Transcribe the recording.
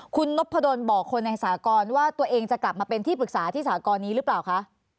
คุณนพดลบอกคนในสากรว่าตัวเองจะกลับมาเป็นที่ปรึกษาที่สากรนี้หรือเปล่าคะ